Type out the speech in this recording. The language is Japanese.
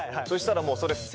そしたらもうそれ。